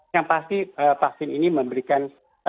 yang pasti vaksin ini memberikan